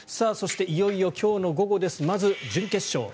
そして、いよいよ今日の午後ですまず準決勝。